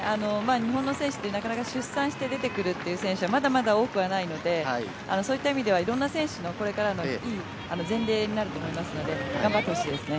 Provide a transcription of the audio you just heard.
日本の選手ってなかなか出産して出てくるっていう選手はまだまだ多くはないのでそういった意味ではいろんな選手のこれからのいい前例になると思いますので頑張ってほしいですね。